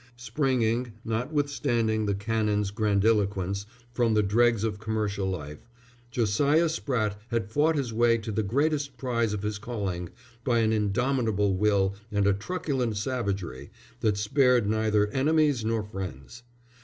Springing, notwithstanding the Canon's grandiloquence, from the dregs of commercial life, Josiah Spratte had fought his way to the greatest prize of his calling by an indomitable will and a truculent savagery that spared neither enemies nor friends.